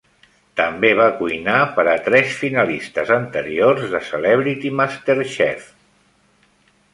També va cuinar per a tres finalistes anteriors de "Celebrity MasterChef".